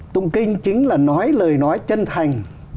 tụng kinh chính là nói lời nói chân thành